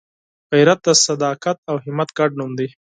غیرت د صداقت او همت ګډ نوم دی